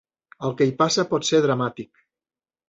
El que hi passa pot ser dramàtic.